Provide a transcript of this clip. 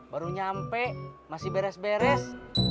baru nyampe masih beres beres